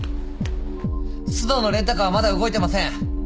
須藤のレンタカーはまだ動いてません。